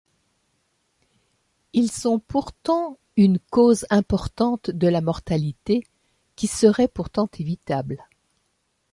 Ils sont pourtant une cause importante de la mortalité, qui serait pourtant évitable.